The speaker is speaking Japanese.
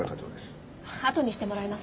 後にしてもらえますか。